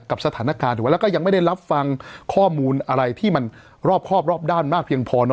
กับสถานการณ์หรือว่าแล้วก็ยังไม่ได้รับฟังข้อมูลอะไรที่มันรอบครอบรอบด้านมากเพียงพอ